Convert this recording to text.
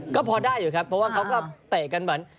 ก็พอได้อยู่ครับเพราะว่าเขาก็เตะกันเหมือน